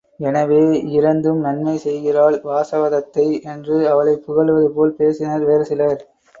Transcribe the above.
எனவே இறந்தும் நன்மை செய்கிறாள் வாசவதத்தை என்று அவளைப் புகழ்வது போல் பேசினர் வேறு சிலர்.